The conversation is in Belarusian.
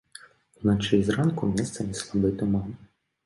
Уначы і зранку месцамі слабы туман.